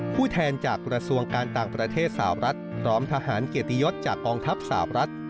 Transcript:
ผู้แทนจากกระทรวงการต่างประเทศสาวรัฐพร้อมทหารเกียรติยศจากกองทัพสาวรัฐ